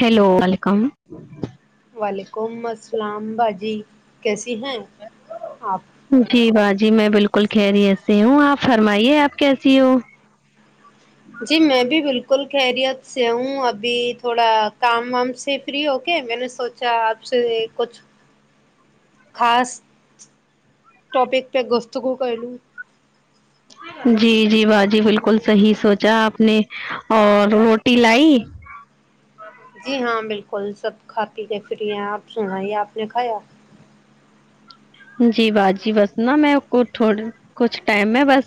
hello وعلیکم وعلیکم السلام باجی کیسی ہیں آپ جی باجی میں بالکل خیریت سے ہوں آپ فرمائیے آپ کیسی ہو جی میں بھی بالکل خیریت سے ہوں ابھی تھوڑا کام وام سے فری ہو کے میں نے سوچ چا آپ سے کچھ خاص ٹوپک پے گفتگو کرلوں جی جی باجی بالکل صحیح سوچا آپ نے اور روٹی لائی جی ہاں بالکل سب کھاتی ہے فری ہیں آپ سنایے آپ نے کھایا جی باجی بس نا میں آپکو ٹھوڑ کچھ ٹائم میں بس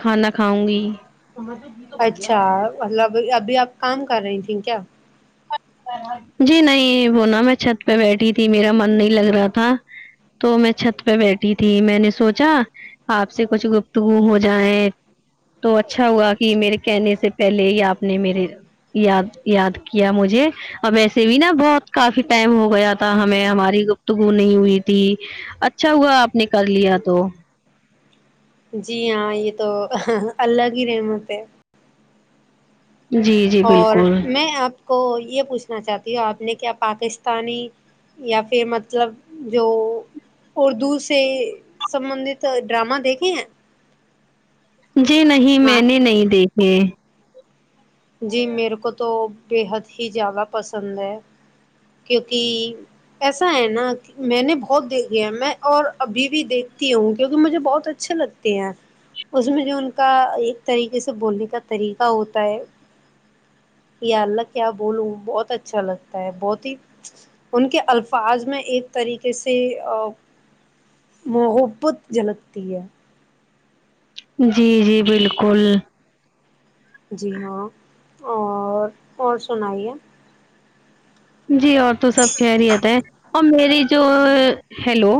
کھانا کھاؤں گی اچھا مطلب ابھی آپ کام کر رہی تھی کیا جی نہیں وہ نا میں چھت پے بیٹھی تھی میرا من نہیں لگ رہا تھا تو میں چھت پے بیٹھی تھی میں نے سوچا آپ سے کچھ گفتگو ہو جائے تو اچھا ہوا کی میرے کہنے سے پہلے ہی آپ نے میرے یاد یاد کیا مجھے اب ایسے بھی نا بہت کافی ٹائم ہو گیا تھا ہمیں ہماری گفتگو نہیں ہوئی تھی اچھا ہوا آپ نے کر لیا تو جی ہاں یے تو اللہ کی رحمت ہے جی جی اور بالکل میں آپ کو یے پوچھنا چاہتی ہوں آپ نے کیا پاکستانی یا پھر مطلب جو اردو سے سبندت ڈرامہ دیکھے ہیں جی نہیں نا میں نے نہیں دیکھے جی میرے کو تو بےحد ہی زیادہ پسند ہے کیونکی ایسا ہے نا کی میں نے بہت دیکھ لیا میں اور ابھی بھی دیکھتی ہوں کیونکی مجھے بہت اچھے لگ تے ہیں اس میں جو ان کا ایک طریقے سے بولنے کا طریقہ ہوتا ہے یااللہ کیا بولوں بہت اچھا لگتا ہے بہت ہی ان کے الفاظ میں ایک طریقے سے آ محبت جھلکتی ہے جی جی بالکل جی ہاں اور اور سنائیے جی اور تو سب خیریت ہے اور میری جو ہیلو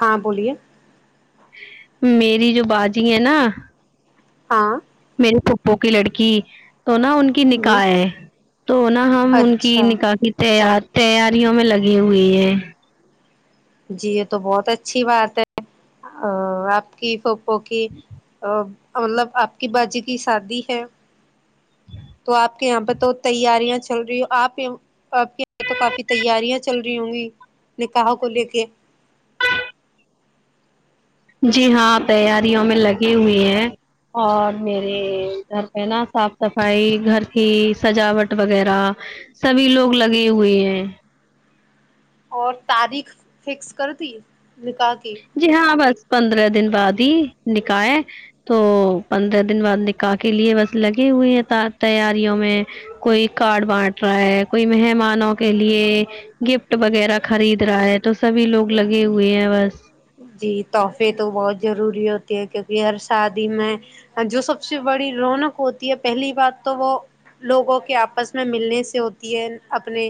ہاں بولیے میری جو باجی ہے نا ہاں میری پھپھو کی لڑکی تو نا ان کی جی نکاح ہے تو نا ہم ان کی اچھا نکاح تیا تیاریوں میں لگے ہوے ہے جی یے تو بہت اچھی بات ہے آ آپ کی فو پھو کی مطلب آپ کی باجی کی شادی ہے جی تو آپ کے یہاں پہ تو تیاریاں چل رہی ہیں آپ آپ کے یہاں تو کافی تیاریاں چل رہی ہوں گی نکاح کو لے کے جی ہاں تیاریوں میں لگی ہوئی ہیں اور میرے گھر پہ نا صاف صفائی گھر کی سجاوٹ وغیرہ سبھی لوگ لگے ہوئے ہیں اور تاریخ فکس کر دی نکاح کی جی ہاں بس پندرہ دن بعد ہی نکاح ہے تو پندرہ دن بعد نکا ح کے لیے بس لگے ہوئے ہیں تا تیاریوں میں کوئی کارڈ بانٹ رہا ہے کوئی مہمانوں کے لیے گفٹ تو وغیرہ خرید رہا ہے تو سبھی لوگ لگے ہوئے ہیں بس جی تحفے تو بہت ضروری ہوتے ہے کیونکہ ہر شادی میں جو سب سے بڑی رونق ہوتی ہے پہلی بات تو وہ لوگوں کے آپس میں ملنے سے ہوتی ہے اپنے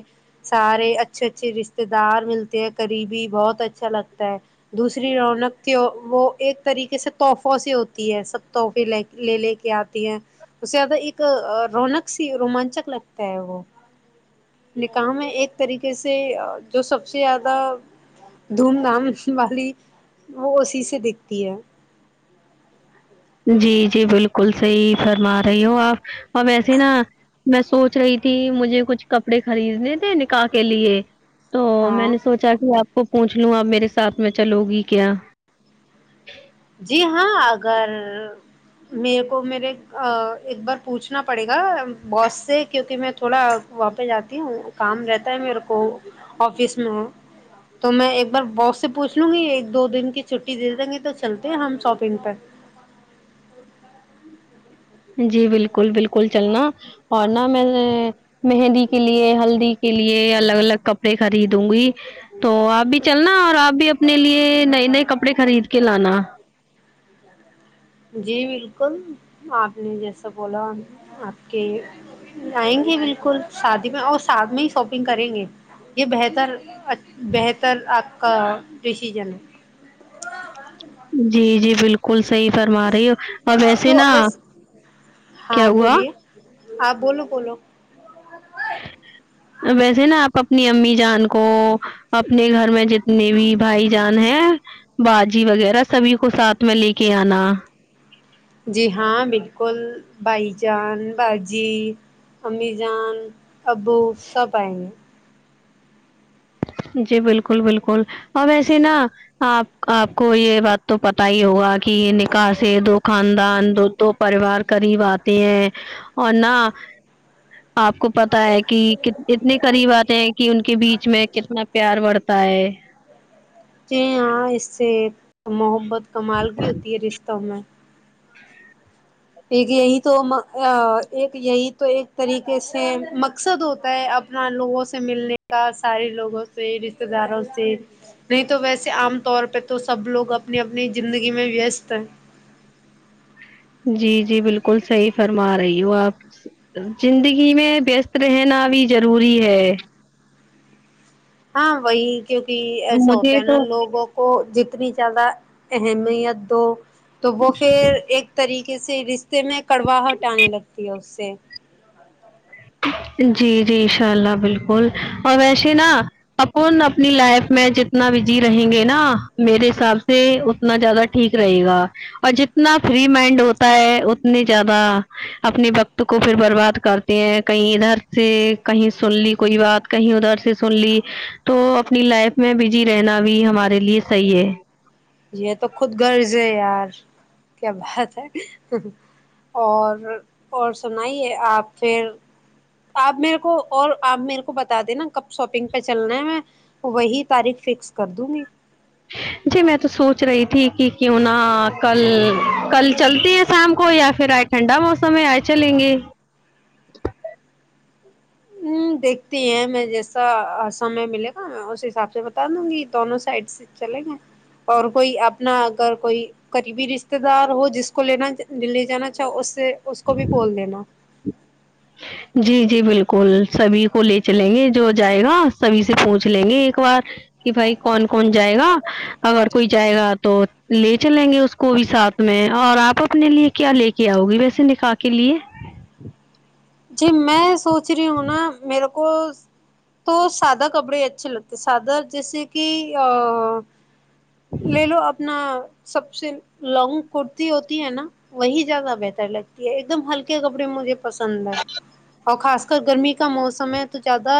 سارے اچھے اچھے رشتے دار ملتے ہیں قریبی بہت اچھا لگتا ہے دوسری رونق کے وہ ایک طریقے سے تحفوں سے ہوتی ہے سب تحفے لے کے لے لے کے آتی ہیں اس زیادہ ایک رونق سی رومانچک لگتا ہے وہ نکاح میں ایک طریقے سے جو سب سے زیادہ دھوم دھام والی وہ اسی سے دیکھتی ہے جی جی بالکل صحیح فرما رہی ہو آپ اور ویسے نا میں سوچ رہی تھی مجھے کچھ کپڑے خریدنے تھے نکاح کے لیے تو میں ہاں نے سوچا کہ آپ کو پوچھ لوں آپ میرے ساتھ میں چلو گی کیا جی ہاں اگر میرے کو میرے ا ایک بار پوچھنا پڑے گا باس سے کیونکہ میں تھوڑا واں جاتی ہوں کام رہتا ہے میرے کو آفس میں تو میں ایک بار باس سے پوچھ لوں گی ایک دو دن کی چھٹی دے دیں گے تو چلتے ہیں ہم شاپنگ پہ جی بالکل بالکل چلنا اور نا میں نے مہندی کے لیے ہلدی کے لیے الگ الگ کپڑے خریدوں گی تو آپ بھی چلنا اور آپ بھی اپنے لیے نئے نئے کپڑے خرید کے لانا جی بالکل آپ نے جیسا بولا آپ کے آئیں گے بالکل شادی میں اور ساتھ میں ہی شاپنگ کریں گے یہ بہتر اچ بہتر آپ کا ڈسیزن ہے جی جی بال کل صحیح فرما رہی ہو اور ویسے تو نا بس کیا ہاں ہوا بولیے اپ بولو بولو [unintelligible] ویسے نا آپ اپنی امی جان کو اپنے گھر میں جتنے بھی بھائی جان ہیں باجی وغیرہ سبھی کو ساتھ میں لے کے آنا جی ہاں بالکل بھائی جان باجی امی جان ابو سب آئیں گے جی بالکل بالکل اور ویسیے نا آپ آپ کو یہ بات تو پتا ہی ہوگا کہ یہ نکاح سے دو خاندان دو دو پریوار قریب آتے ہیں اور نہ آپ کو پتا ہے کی یہ کت اتنے قریب آتے ہیں کی ان کے بیچ میں کتنا پیار بڑھتا ہے جی ہاں اس سے محبت کمال کی ہوتی ہے رشتوں میں ایک یہی تو ایک یہی تو ایک طریقے سے مقصد ہوتا ہے اب نا لوگوں سے ملنے کا سارے لوگوں سے رشتے داروں سے نہیں تو ویسے عام طور پے تو سب لوگ اپنی اپنی زندگی میں ویست ہیں جی جی بالکل صحیح فرما رہی ہو آپ زندگی میں وست رہنا بھی ضروری ہے ہاں وہی کیونکی ایسا ہوتا مجھے ہے نا تو لوگوں کو جتنی زیادہ اہمیت دو تو وہ پھر ایک طریقے سے رشتے میں کڑواہاہٹ آنے لگتی ہے اس سے جی جی ان شاء اللہ بالکل اور ویسے نا اپن اپنی لائف میں جتنا بزی رہیں گے نا میرے حساب سے ات تنا زیادہ ٹھیک رہے گا اور جتنا فری مائنڈ ہوتا ہے اتنی زیادہ اپنی وقت کو پھر برباد کرتے ہیں کہیں ادھر سے کہیں سن لی کوئی بات کہیں ادھر سے سن لی تو اپنی لائف میں بجی رہنا بھی ہمارے لیے صحیح ہے یے تو خود غرض ہے یار کیا بات ہے اور اور سنائیے آپ پھر آپ میرے کو اور آپ میرے کو بتا دینا کب شاپنگ پے چلنا ہے میں وہی تاریخ فکس کر دوں گی جی میں تو سوچ رہی تھی کی کیوں نہ کل کل چلتی ہے شام کو یا پھر ٹھڈا موسم ہے آج چلے گے دیکھتی ہیں میں جیسا سمے ملے گا میں اس حساب سے بتا دوں گی دونوں سائڈس چلیں گے اور کوئی اپنا اگر کوئی قریبی رشتے دار ہو جس کو لینا دل لے جانا چاہ اس سے اس کو بھی بول دینا جی جی بالکل سبھی کو لے چلیں گے جو جائے گا سبھی سے پوچھ لیں گے ایک بار کی بھائی کون کون جائے گا اگر کوئی جائے گا تو لے چلیں گے اس کو بھی ساتھ میں اور آپ اپنے لیے کیا لے کے آؤ گی ویسے نکا کے لیے جی میں سوچ رہی ہوں نا میرے کو تو سادہ کپڑے اچھے لگتے سادہ جیسے کی آ لے لو اپنا سب سے لانگ کرتی ہوتی ہے نا وہی زیادہ بہتر لگتی ہے ایک دم ہلکے کپڑے مجھے پسند ہے اور خاص کر گرمی کا موسم ہے تو زیادہ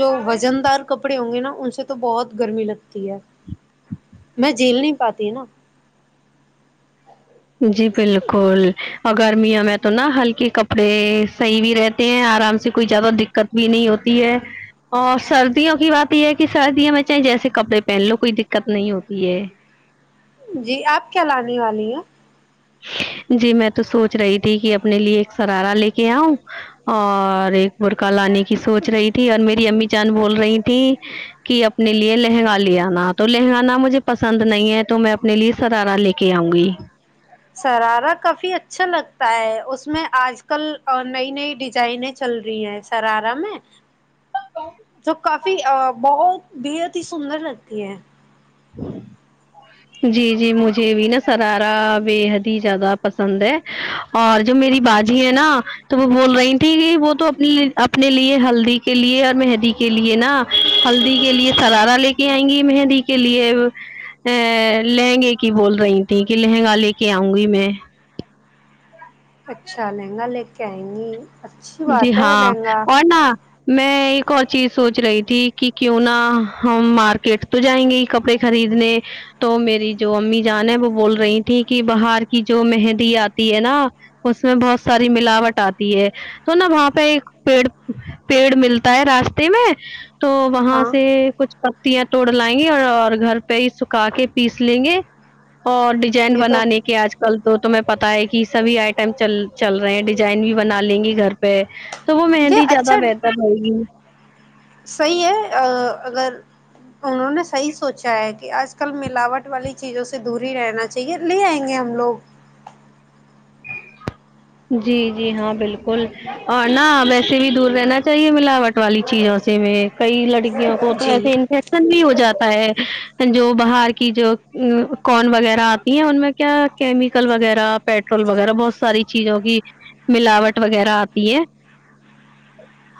جو وزن دار کپڑے ہوں گے نا ان سے تو بہت گرمی لگتی ہے میں جیل نہیں پاتی ہے نا جی بالکل اگرمیاں میں تو نہا ہلکے کپڑے صحیح بھی رہتے آرام سے کوئی زیادہ دقت بھی نہیں ہوتی ہے اور سردیوں کی بات یے ہے کی سردیوں میں چاہ جیسے کپڑے پہن لو کوئی دقت نہیں ہوتی ہے جی آپ کیا لانے والی ہیں جی میں تو سوچ رہی تھی کی اپنے لیے ایک سرارا لے کے آؤں اور ایک برقہ لانے کی سوچ رہی تھی اور میری امی جان بول رہی تھی کی اپنے لیے لہنگا لے آنا تو لہنگانا مجھے پسند نہیں ہے تو میں اپنے لیے شرارا لے کے آؤں گی شرارا کافی اچھا لگتا ہے اس میں آج کل نئی نئی ڈیزائنے چل رہی ہیں شرارا میں جو کافی بہت بےحد ہی سندر لگتی ہے جی جی مجھے بھی نا سرارا بےحد ہی زیادہ پسند ہے اور جو میری باجی ہے نا تو وہ بول رہی تھی وہ تو اپنی اپنے لیے ہلدی کے لیے اور مہندی کے لیے نا ہلدی کے لیے سرارا لے کے آئیں گی مہندی کے لیے ا لہنگے کی بول رہی تھیں کہ لہنگا لے کے آؤں گی میں اچھا لہنگا لے کے آئیں گی اچھی جی بات ہے ہاں لہنگا اور نا میں ایک اور چیز سوچ رہی تھی کہ کیوں نہ ہم مارکیٹ تو جائیں گے کپڑے خریدنے تو میری جو امی جان ہے وہ بول رہی تھی کہ باہر کی جو مہندی آتی ہے نا اس میں بہت ساری ملاوٹ آتی ہے تو نا وہاں پہ ایک پیڑ پیڑ ملتا ہے راستے میں تو وہاں ہاں سے کچھ پٹ یاں توڑ لائیں گے اور اور گھر پہ ہی سکھا کے پیس لیں گے اور جین یہ تو بنانے کے آج کل تو تمہیں پتہ ہے کہ سبھی آئٹمل چل رہے ہیں ڈیزائن بھی بنا لیں گی گھر پہ تو وہ یہ مہنندی اچھا زیادہ بہتر رہئے گی صحیح ہے اگر انہوں نے صحیح سوچا ہے کہ آج کل ملاوٹ والی چیزوں سے دور ہی رہنا ٹھیک ہے لے آئیں گے ہم لوگ جی جی ہاں بالکل اور نا ویسے بھی دور رہنا چاہیے ملاوٹ والی چیزوں سے میں کئی لڑکیوں کو تو جی ایسے ان سے بھی ہو جاتا ہے جو باہر کی جو کون وغیرہ اتی ہے ان میں کیا کیمیکل وغیرہ پیٹرول وغیرہ بہت ساری چیزوں کی ملاوٹ وغیرہ آتی ہے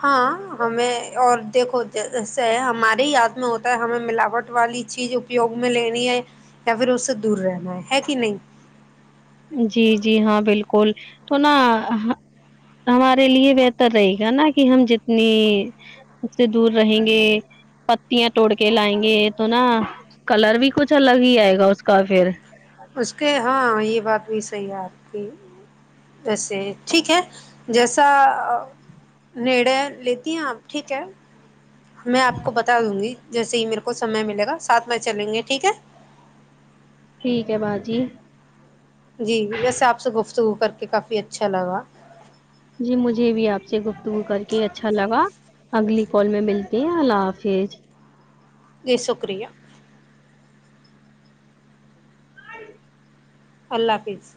ہاں ہمیں اور دیکھو جسے ہمارے ہی یاد میں ہوتا ہے ہمیں ملاوٹ والی چیز اپیوگ میں لینی ہے یا پھر اس سے دور رہنا ہے کہ نہیں جی جی ہاں بالکل تو نہ ہمارے لیے بہتر رہے گا نا کہ ہم جتنی اس سے دور رہیں گے پتیاں توڑ کے لائیں گے یہ تو نا کلر بھی کچھ الگ ہی آئے گا اس کا پھر اس کے ہاں یہ بات بھی صحیح ہے آپ کی ویسے ٹھیک ہے جیسا نڑے لیتی ہیں آپ ٹھیک ہے میں آپ کو بتا دوں گی جیسے ہی میرے کو سمے ملے گا ساتھ میں چلیں گے ٹھیک ہے ٹھیک ہے باجی جی ویسے آپ سے گفتگو کر کے کافی اچھا لگا جی مجھے بھی آپ سے گفتگو کر کے اچھا لگا اگلی کال میں ملتی ہیں اللہ حافظ جی شکریہ اللہ حافظ